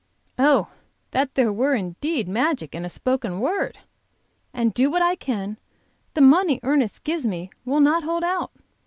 Oh, that there were indeed magic in a spoken word! And do what I can, the money Ernest gives me will not hold out.